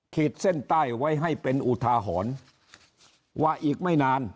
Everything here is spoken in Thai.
ขีดเส้นใต้ไว้ให้เป็นอุทาหรณ์ว่าอีกไม่นาน